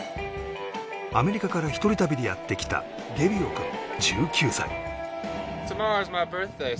アメリカから一人旅でやって来たゲビオ君１９歳